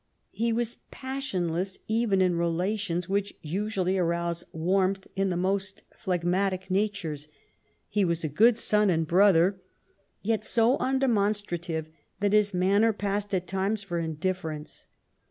He was passionless even in relations which usually arouse warmth in the most phlegmatic natures. He was a good son and brother, yet so undemonstrative that his manner passed at times for indifference.